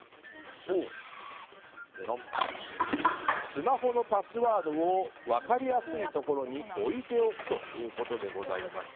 スマホのパスワードを分かりやすいところに置いておくということです。